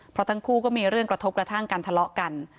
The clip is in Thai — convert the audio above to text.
เพราะทั้งคู่ก็มีเรื่องกระทบกระทั่งกันทะเลาะกัน